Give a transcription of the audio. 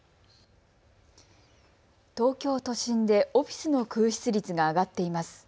東京都心でオフィスの空室率が上がっています。